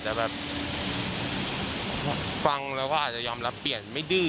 รับลูกค้าในจำนวนที่จำกัด